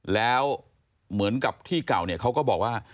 แล้วเหมือนกับที่เก่าเนี่ยเขาก็บอกว่า